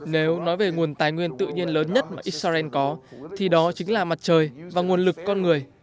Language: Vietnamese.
nếu nói về nguồn tài nguyên tự nhiên lớn nhất mà israel có thì đó chính là mặt trời và nguồn lực con người